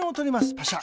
パシャ。